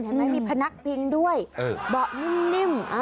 เห็นไหมมีพนักพิงด้วยเบาะนิ่ม